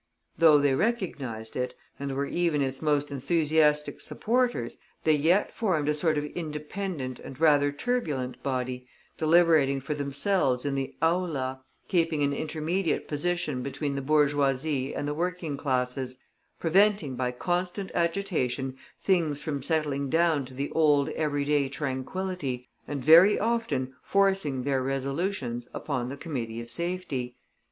Though they recognized it, and were even its most enthusiastic supporters, they yet formed a sort of independent and rather turbulent body, deliberating for themselves in the "Aula," keeping an intermediate position between the bourgeoisie and the working classes, preventing by constant agitation things from settling down to the old every day tranquillity, and very often forcing their resolutions upon the Committee of Safety.